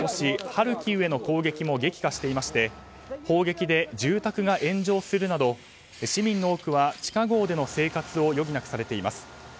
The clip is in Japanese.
ハルキウへの攻撃も激化していまして砲撃で、住宅が炎上するなど市民の多くは地下壕での生活を余儀なくされています。